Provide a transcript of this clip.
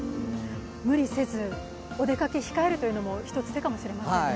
無理せず、お出かけ控えるというのも１つ、手かもしれませんね。